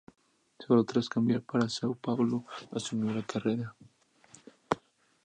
Sólo tras cambiar para São Paulo, asumió la carrera.